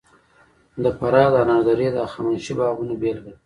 د فراه د انار درې د هخامنشي باغونو بېلګه ده